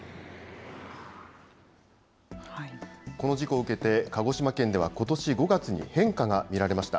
この事故を受けて、鹿児島県ではことし５月に変化が見られました。